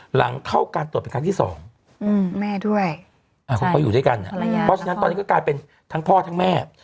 หลังเข้าการตรวจเป็นครั้งที่สองแม่ด้วยเขาก็อยู่ด้วยกันเพราะฉะนั้นตอนนี้ก็กลายเป็นทั้งพ่อทั้งแม่